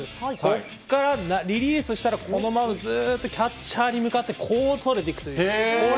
ここからリリースしたら、このままずっとキャッチャーに向かって、こうそれていくという。